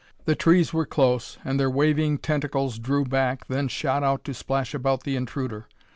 The trees were close, and their waving tentacles drew back, then shot out to splash about the intruder.